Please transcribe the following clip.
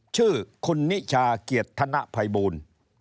ชื่อคุณนิชาเกียรติธนภัยบูล